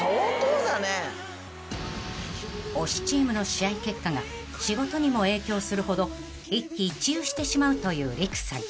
［推しチームの試合結果が仕事にも影響するほど一喜一憂してしまうという利久さん］